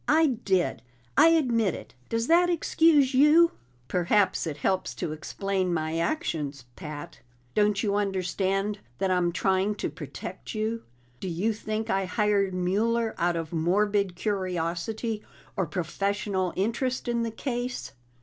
"I did; I admit it. Does that excuse you?" "Perhaps it helps to explain my actions, Pat. Don't you understand that I'm trying to protect you? Do you think I hired Mueller out of morbid curiosity, or professional interest in the case?